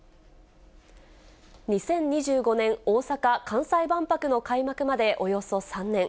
２０２５年大阪・関西万博の開幕までおよそ３年。